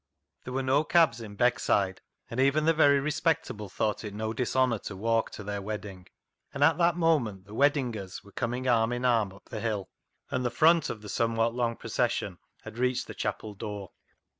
There were no cabs in Beckside, and even the very respectable thought it no dishonour to walk to their wedding, and at that moment the wed dingers were coming arm in arm up the hill, and the front of the somewhat long procession had reached the chapel door.